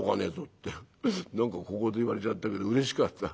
って何か小言言われちゃったけどうれしかった。